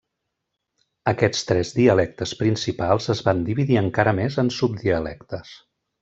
Aquests tres dialectes principals es van dividir encara més en subdialectes.